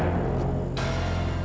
aku bisa melihat